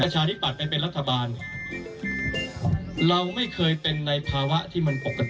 หรือแบบนี้